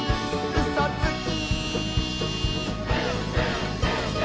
「うそつき！」